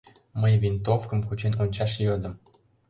Мый винтовкым кучен ончаш йодым.